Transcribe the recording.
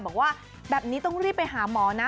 บอกว่าแบบนี้ต้องรีบไปหาหมอนะ